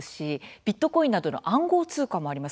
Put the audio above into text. ビットコインなどの暗号通貨もあります。